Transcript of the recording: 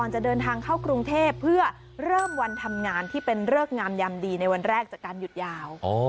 จะเดินทางเข้ากรุงเทพเพื่อเริ่มวันทำงานที่เป็นเริกงามยามดีในวันแรกจากการหยุดยาว